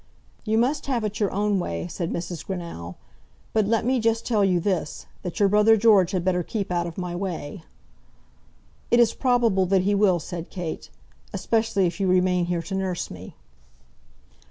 "You must have it your own way," said Mrs. Greenow; "but let me just tell you this, that your brother George had better keep out of my way." "It is probable that he will," said Kate. "Especially if you remain here to nurse me."